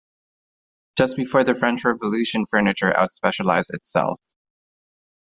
Just before the French revolution furniture out-specialized itself.